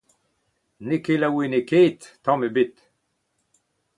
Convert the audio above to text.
N'eo ket laouenekaet, tamm ebet !